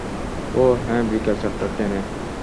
ওহ্ হ্যাঁঁ বিকেল চারটার ট্রেনে?